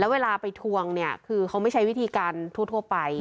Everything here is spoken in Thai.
เวลาไปทวงเนี่ยคือเขาไม่ใช้วิธีการทั่วไป